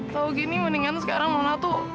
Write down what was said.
tau gini mendingan sekarang nona tuh